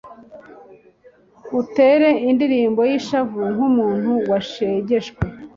utere indirimbo y’ishavu nk’umuntu washegeshwe.